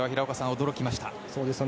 驚きましたね。